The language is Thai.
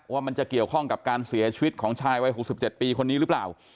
ว่ามันจะเกี่ยวข้องกับการเสียชีวิตของชายวัย๖๗ปีคนนี้หรือเปล่า